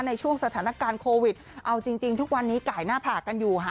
ในช่วงสถานการณ์โควิดเอาจริงทุกวันนี้ไก่หน้าผากกันอยู่ค่ะ